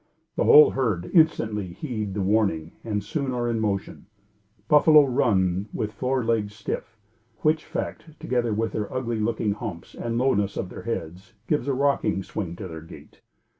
The whole herd instantly heed the warning and are soon in motion. Buffalo run with forelegs stiff, which fact, together with their ugly looking humps and the lowness of their heads, gives a rocking swing to their gait.